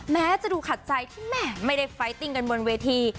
แม้จะดูขัดใจที่แม่ไม่ได้ไฟติ้งกันบนเวที